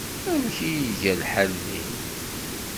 Amek ay iga lḥal din?